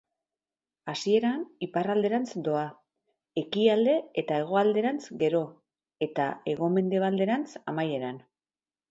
Hasieran iparralderantz doa, ekialde eta hegoalderantz gero, eta hego-mendebalderantz amaieran.